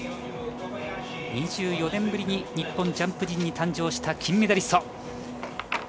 ２４年ぶりに日本ジャンプ陣に誕生した金メダリスト。